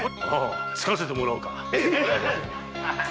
つかせてもらおうか。